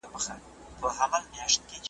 شور ماشور وي د بلبلو بوی را خپور وي د سنځلو .